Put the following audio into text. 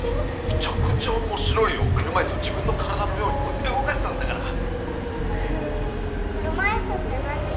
めちゃくちゃ面白いよ車いすを自分の体のようにこうやって動かすんだからふん車いすって何？